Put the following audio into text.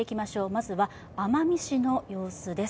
まずは奄美市の状況です。